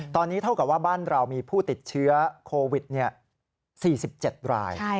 ตอนนี้เท่ากับว่าบ้านเรามีผู้ติดเชื้อโควิด๔๗ราย